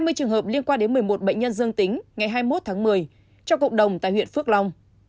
hai mươi trường hợp liên quan đến một mươi một bệnh nhân dương tính ngày hai mươi một tháng một mươi cho cộng đồng tại huyện phước long